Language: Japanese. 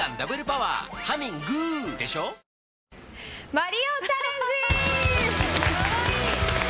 マリオチャレンジ！